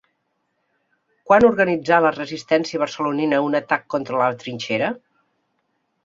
Quan organitzà la resistència barcelonina un atac contra la trinxera?